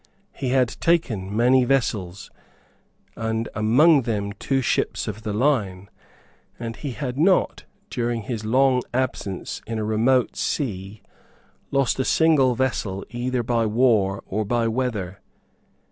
He had taken many vessels, and among them two ships of the line; and he had not, during his long absence in a remote sea, lost a single vessel either by war or by weather.